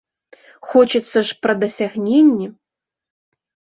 Хочацца ж пра дасягненні!